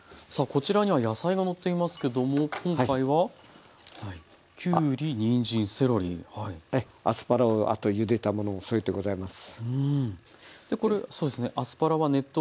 こちらには野菜がのっていますけども今回はアスパラをあとゆでたものを添えてございます。